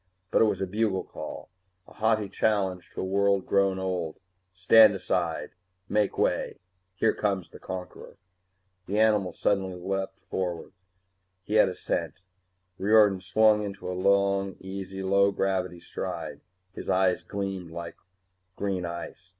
But it was a bugle call, a haughty challenge to a world grown old stand aside, make way, here comes the conqueror! The animal suddenly loped forward. He had a scent. Riordan swung into a long, easy low gravity stride. His eyes gleamed like green ice.